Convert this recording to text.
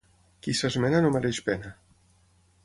Qui s'esmena no mereix pena.